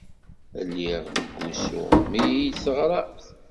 Lliɣ deg wusu mi iyi-d-teɣramt.